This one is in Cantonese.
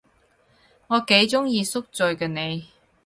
我幾鍾意宿醉嘅你